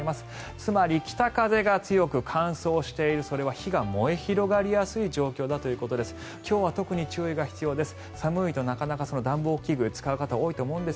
つまり北風が強く乾燥しているそれは火が燃え広がりやすい状況だということです。